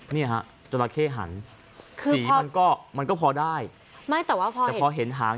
เนี่ยฮะจราเข้หันคือมันก็มันก็พอได้ไม่แต่ว่าพอเห็นฮัง